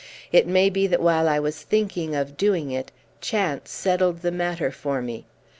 It may be that while I was thinking of doing it Chance settled the matter for me.